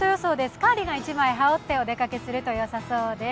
カーディガン１枚、羽織ってお出かけすると良さそうです